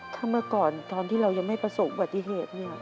ถ้าเมื่อก่อนตอนที่เรายังไม่ประสบอุบัติเหตุเนี่ย